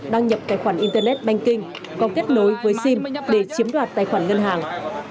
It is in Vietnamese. đăng nhập tài khoản internet banking có kết nối với sim để chiếm đoạt tài khoản ngân hàng